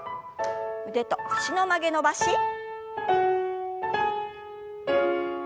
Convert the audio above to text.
腕と脚の曲げ伸ばし。